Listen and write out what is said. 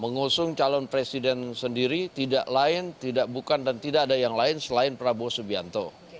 mengusung calon presiden sendiri tidak lain tidak bukan dan tidak ada yang lain selain prabowo subianto